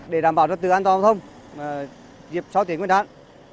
để đảm bảo đất tự an toàn giao thông dịp sáu tiếng nguyễn đạn